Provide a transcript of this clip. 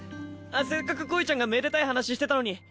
せっかく恋ちゃんがめでたい話してたのに！